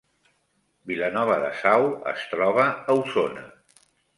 Vilanova de Sau es troba a Osona